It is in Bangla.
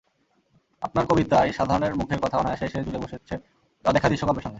আপনার কবিতায় সাধারণের মুখের কথা অনায়াসে এসে জুড়ে বসছে অদেখা দৃশ্যকল্পের সঙ্গে।